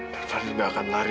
kak fadil berdiri